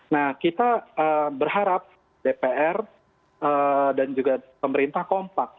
nah kita berharap dpr dan juga pemerintah kompak